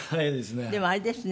でもあれですね。